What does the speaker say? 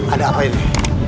ada apa ini